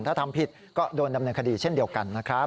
ถ้าทำผิดก็โดนดำเนินคดีเช่นเดียวกันนะครับ